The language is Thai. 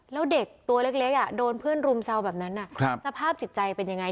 แล้วเด็กตัวเล็กโดนเพื่อนรุมเซาแบบนั้นสภาพจิตใจเป็นยังไง